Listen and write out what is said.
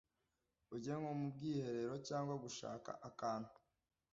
ujye nko mu bwiherero cyangwa gushaka akantu